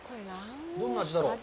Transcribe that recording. どんな味だろう。